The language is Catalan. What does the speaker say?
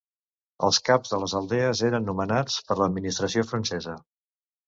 Els caps de les aldees eren nomenats per l'administració francesa.